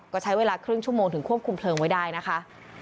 ก็ใช้เวลาครึ่งชั่วโมงถึงควบคุมเพลิงไว้ได้นะคะ